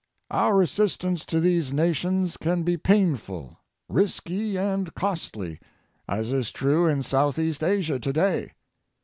Our assistance to these nations can be painful, risky and costly, as is true in Southeast Asia today.